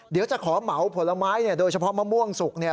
เดี๋ยวจะขอเหมาผลไม้เนี่ยโดยเฉพาะมะม่วงสุกเนี่ย